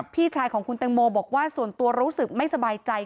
พี่ชายของคุณแตงโมบอกว่าส่วนตัวรู้สึกไม่สบายใจ